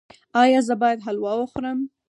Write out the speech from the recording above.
ایا زه باید حلوا وخورم؟